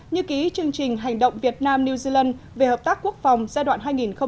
như ký chương trình hành động việt nam new zealand về hợp tác quốc phòng giai đoạn hai nghìn một mươi sáu hai nghìn hai mươi